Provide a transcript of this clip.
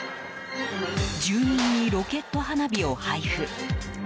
住民にロケット花火を配布。